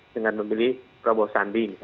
dengan memilih prabowo sanding